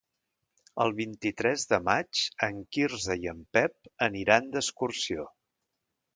El vint-i-tres de maig en Quirze i en Pep aniran d'excursió.